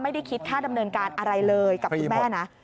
ไม่ได้คิดค่าดำเนินการอะไรเลยกับคุณแม่นะ